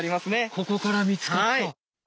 ここから見つかった。